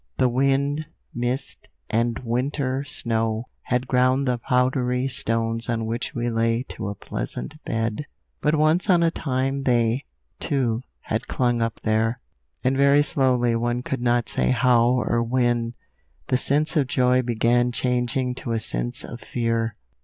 The wind, mist, and winter snow had ground the powdery stones on which we lay to a pleasant bed, but once on a time they, too, had clung up there. And very slowly, one could not say how or when, the sense of joy began changing to a sense of fear.